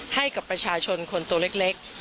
ให้กับประชาชนคนตัวเล็ก